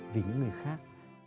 vì những người khác